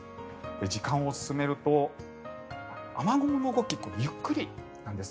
時間を進めると雨雲の動き、ゆっくりなんです。